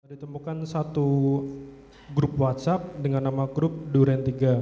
ditemukan satu grup whatsapp dengan nama grup duren tiga